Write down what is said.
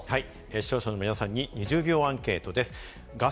視聴者の皆さんに２０秒アンケートです。